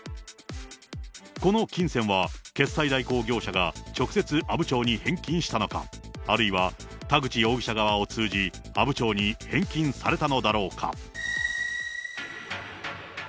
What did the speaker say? この金銭は決済代行業者が直接阿武町に返金したのか、あるいは田口容疑者側を通じ阿武町に返金されたのだろうか。